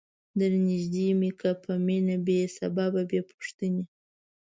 درنیژدې می که په مینه بې سببه بې پوښتنی